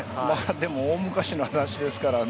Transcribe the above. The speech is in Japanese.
でも大昔の話ですからね。